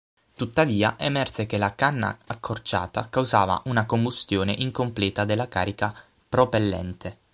Tuttavia, emerse che la canna accorciata causava una combustione incompleta della carica propellente.